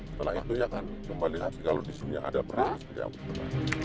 setelah itu ya kan kembali lagi kalau di sini ada perang harus diambil